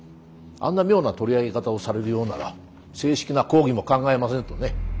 あんな妙な取り上げ方をされるようなら正式な抗議も考えませんとね。